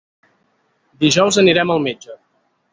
Dijous anirem al metge.